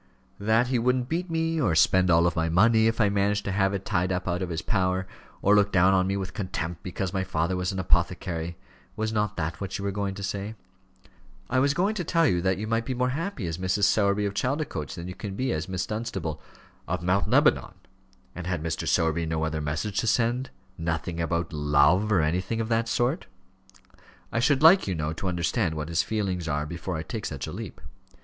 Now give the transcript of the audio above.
"That he wouldn't beat me; or spend all my money if I managed to have it tied up out of his power; or look down on me with contempt because my father was an apothecary! Was not that what you were going to say?" "I was going to tell you that you might be more happy as Mrs. Sowerby of Chaldicotes than you can be as Miss Dunstable " "Of Mount Lebanon. And had Mr. Sowerby no other message to send? nothing about love, or anything of that sort? I should like, you know, to understand what his feelings are before I take such a leap."